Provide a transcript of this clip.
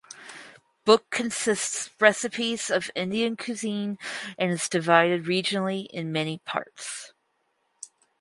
Book consists recipes of Indian cuisine and is divided regionally in many parts.